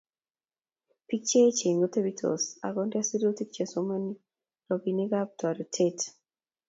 Bik cheechen kotebitos akonde serutik chesomei robinikab toretet